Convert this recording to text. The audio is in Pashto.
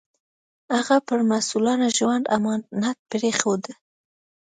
هغه پر مسوولانه ژوند امانت پرېښود.